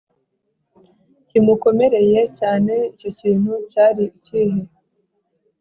kimukomereye cyane Icyo kintu cyari ikihe